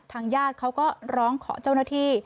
ญาติเขาก็ร้องขอเจ้าหน้าที่